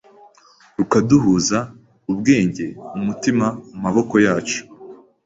rukaduhuza, Ubwenge, umutima, amaboko yacu